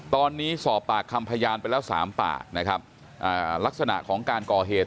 ตอนนี้สอบปากคำพยานไปแล้วสามปากนะครับอ่าลักษณะของการก่อเหตุ